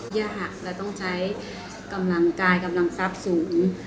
หักเราต้องใช้กำลังกายกำลังทรัพย์สูง